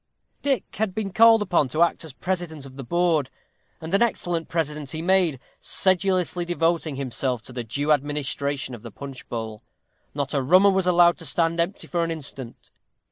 Dick had been called upon to act as president of the board, and an excellent president he made, sedulously devoting himself to the due administration of the punch bowl. Not a rummer was allowed to stand empty for an instant.